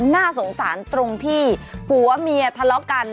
น่าสงสารตรงที่ผัวเมียทะเลาะกัน